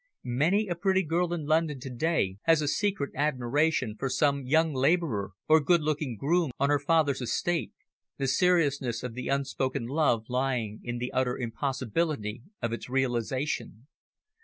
Many a pretty girl in London to day has a secret admiration for some young labourer or good looking groom on her father's estate, the seriousness of the unspoken love lying in the utter impossibility of its realisation.